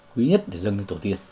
quý nhất để dâng đến tổ tiên